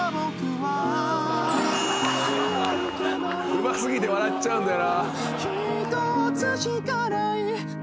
うま過ぎて笑っちゃうんだよな。